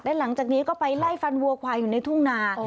และหลังจากนี้ก็ไปไล่ฟันวัวควายอยู่ในทุ่งนา